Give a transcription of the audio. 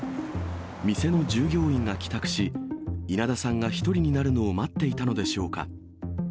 店の従業員が帰宅し、稲田さんが１人になるのを待っていたのでしょうか。